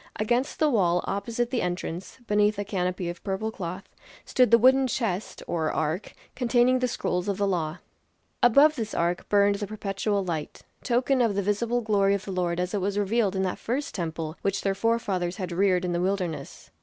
Against the wall opposite the entrance, beneath a canopy of purple cloth, stood the wooden chest or ark, containing the scrolls of the law. Above this ark burned the perpetual light, token of the visible glory of the Lord as it was revealed in that first temple which their forefathers had reared in the wilderness.